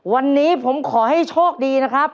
วันนี้ผมขอให้โชคดีนะครับ